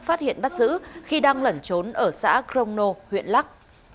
phát hiện bắt giữ khi đang lẩn trốn ở xã crono huyện lắc